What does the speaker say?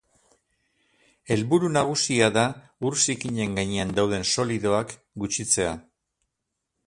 Helburu nagusia da ur zikinen gainean dauden solidoak gutxitzea.